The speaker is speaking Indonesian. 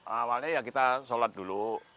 awalnya ya kita sholat dulu